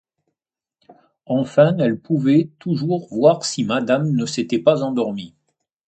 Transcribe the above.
Enfin, elle pouvait toujours voir si madame ne s'était pas endormie.